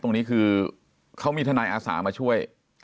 ตรงนี้คือเขามีทนายอาสามาช่วย